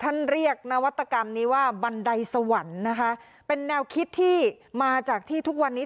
ท่านเรียกนวัตกรรมนี้ว่าบันไดสวรรค์นะคะเป็นแนวคิดที่มาจากที่ทุกวันนี้